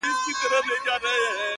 ستا د ږغ څــپــه . څـپه .څپــه نـه ده.